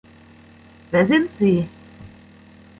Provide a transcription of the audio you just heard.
Wer sind sie?